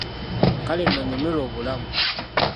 Kale nno, nyumirwa obulamu!